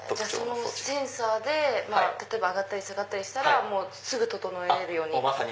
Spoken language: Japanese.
そのセンサーで上がったり下がったりしたらすぐ整えられるように。